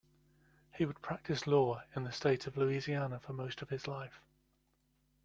He would practice law in the State of Louisiana for most of his life.